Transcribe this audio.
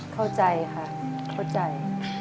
เข้าใจค่ะเข้าใจ